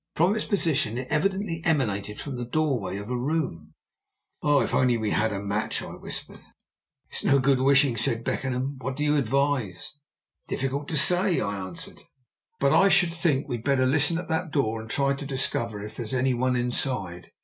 From its position it evidently emanated from the doorway of a room. "Oh! if we only had a match," I whispered. "It's no good wishing," said Beckenham. "What do you advise?" "It's difficult to say," I answered; "but I should think we'd better listen at that door and try to discover if there is any one inside.